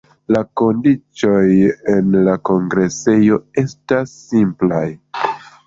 La kondiĉoj en la kongresejo estas simplaj.